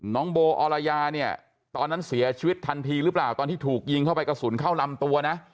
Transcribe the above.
น้องโบอรยาเนี่ยตอนนั้นเสียชีวิตทันทีหรือเปล่าตอนที่ถูกยิงเข้าไปกระสุนเข้าลำตัวนะ